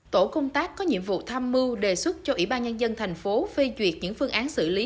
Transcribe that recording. tổ công tác có nhiệm vụ tham mưu đề xuất cho ủy ban nhân dân thành phố phê duyệt những phương án xử lý